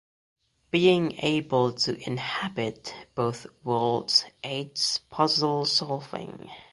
Being able to inhabit both worlds aids puzzle solving.